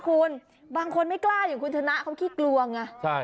คุณบางคนไม่กล้าอย่างคุณชนะเขาขี้กลัวไง